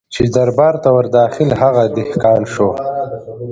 چي دربار ته ور داخل هغه دهقان سو